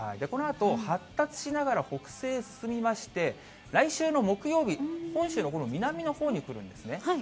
このあと発達しながら、北西へ進みまして、来週の木曜日、本州のこの南のほうに来るんですね。